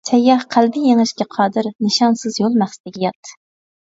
سەيياھ قەلبى يېڭىشكە قادىر، نىشانسىز يول مەقسىتىگە يات.